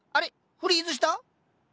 フリーズした？